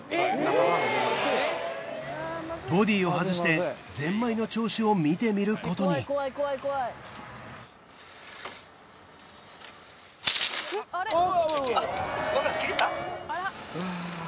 ボディーを外してゼンマイの調子を見てみることに切れた？